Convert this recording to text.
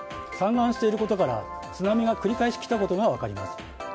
散乱していることから津波が繰り返し来たことが分かります。